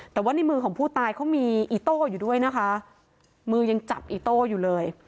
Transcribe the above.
แต่ว่าในมือของผู้ตายเขามีอีโต้อยู่ด้วยนะคะมือยังจับอีโต้อยู่เลย